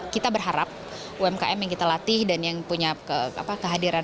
kita berharap umkm yang kita latih dan yang punya kehadiran